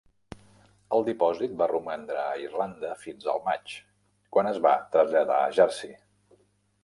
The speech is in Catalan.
El dipòsit va romandre a Irlanda fins al maig, quan es va traslladar a Jersey.